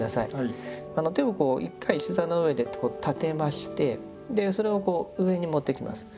手を１回膝の上で立てましてそれを上に持っていきます。